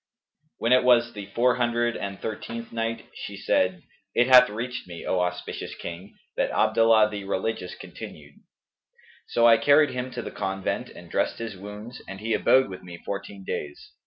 When it was the Four Hundred and Thirteenth Night, She said, It hath reached me, O auspicious King, that Abdallah the Religious continued: "So I carried him to the convent and dressed his wounds, and he abode with me fourteen days.